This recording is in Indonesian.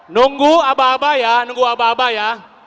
nunggu abah abah ya nunggu abah abah ya